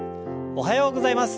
おはようございます。